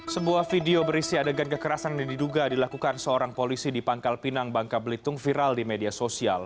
sebuah video berisi adegan kekerasan yang diduga dilakukan seorang polisi di pangkal pinang bangka belitung viral di media sosial